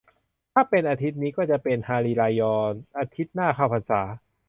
ถ้าเป็นอาทิตย์นี้ก็จะเป็น ฮารีรายอ อาทิตย์หน้าเข้าพรรษา